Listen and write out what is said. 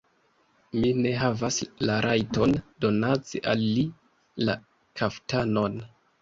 Mi ne havas la rajton donaci al li la kaftanon!